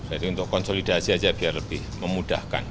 jadi untuk konsolidasi saja biar lebih memudahkan